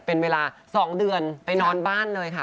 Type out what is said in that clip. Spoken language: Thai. เป็นเวลา๒เดือนไปนอนบ้านเลยค่ะ